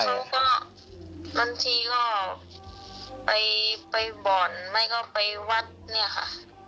เขาก็บางทีก็ไปไปบ่อนไม่ก็ไปวัดเนี้ยค่ะอ๋อ